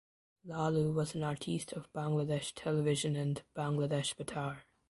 Lalu was an artiste of Bangladesh Television and Bangladesh Betar.